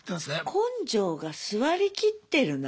根性が据わりきってるな。